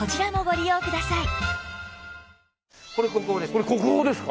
これ国宝ですか？